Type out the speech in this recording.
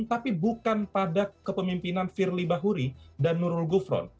tidak diikuti terhadap kepemimpinan firly bahuri dan nurul gufron